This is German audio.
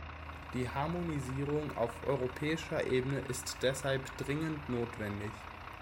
Die Harmonisierung auf europäischer Ebene ist deshalb dringend notwendig.